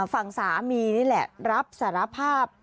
ฝั่งสามีนี่แหละรับสารภาพ